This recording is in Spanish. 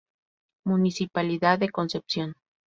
Municipalidad de Concepción.